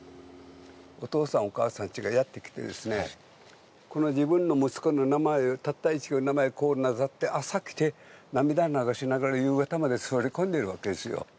お父さん、お母さんたちがやってきて、この自分の息子の名前、たった１行をなぞって、朝来て涙を流して夕方まで座り込んでいるわけですよ。